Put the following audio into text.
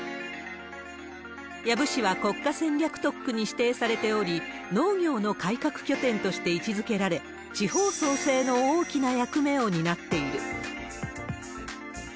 養父市は国家戦略特区に指定されており、農業の改革拠点として位置づけられ、地方創生の大きな役目を担っている。